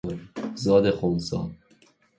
زاد خنثی